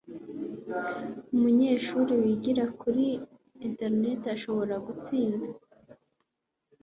umunyeshuri wigira kuri interineti ashobora gutsinda